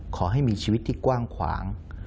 ขอให้มีชีวิตที่กว้างขวาง